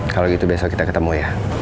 kalau gitu besok kita ketemu ya